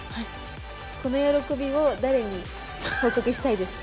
この喜びを誰に報告したいですか？